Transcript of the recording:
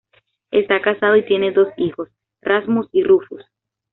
Está casado y tiene dos hijos: Rasmus y Rufus.